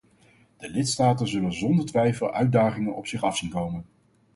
De lidstaten zullen zonder twijfel uitdagingen op zich af zien komen.